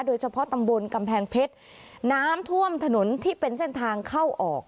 โดยเฉพาะตำบลกำแพงเพชรน้ำท่วมถนนที่เป็นเส้นทางเข้าออก